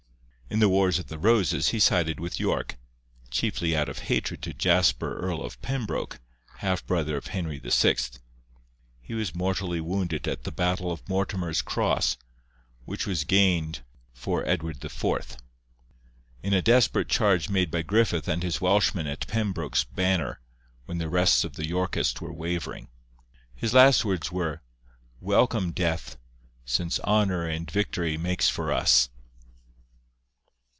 In the wars of the Roses he sided with York, chiefly out of hatred to Jasper Earl of Pembroke, half brother of Henry VI. He was mortally wounded at the battle of Mortimer's Cross, which was gained for Edward IV. by a desperate charge made by Griffith and his Welshmen at Pembroke's Banner, when the rest of the Yorkists were wavering. His last words were: 'Welcome death! since honour and victorie makes for us!